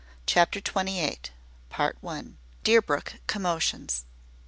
CHAPTER TWENTY EIGHT. DEERBROOK COMMOTIONS.